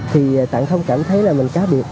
thì tặng không cảm thấy là mình cá biệt